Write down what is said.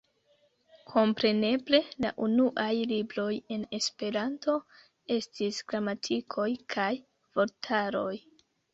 Kompreneble la unuaj libroj en Esperanto estis gramatikoj kaj vortaroj.